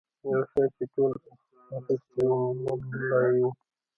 یو شی چې ټولو اخیستی و مملايي وه.